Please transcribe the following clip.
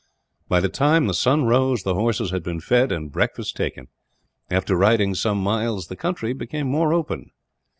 By the time the sun rose, the horses had been fed and breakfast taken. After riding some miles, the country became more open.